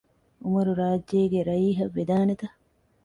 އުމަރު ރާއްޖޭގެ ރައީހަށް ވެދާނެތަ؟